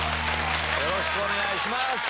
よろしくお願いします。